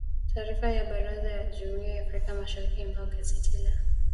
Taarifa ya Baraza la jumuia ya Afrika mashariki ambayo gazeti la